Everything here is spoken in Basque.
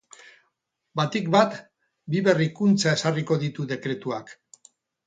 Batik bat, bi berrikuntza ezarriko ditu dekretuak.